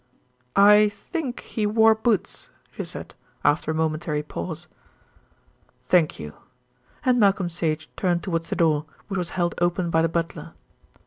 "I think he wore boots, she said, after a momentary pause. "Thank you," and Malcolm Sage turned towards the door, which was held open by the butler.